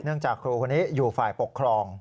จากครูคนนี้อยู่ฝ่ายปกครอง